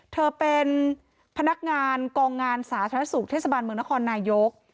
เธอเป็นพนักงานกองงานสาธารณสุขเทศบาลเมืองนครนายก